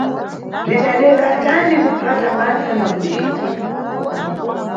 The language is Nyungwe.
Bzidadeka tani kuphata basa na kulicita!